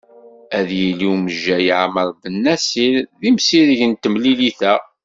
Ad yili umejjay Ɛmar Benassil d imsireg n temlilit-a.